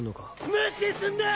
無視すんな！